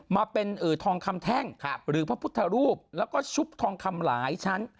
มาเป็นทองคำแท่งหรือพระพุทธรูปแล้วก็ชุบทองคำหลายชั้น